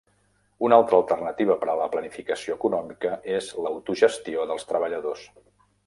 Una altra alternativa per a la planificació econòmica és l'autogestió dels treballadors.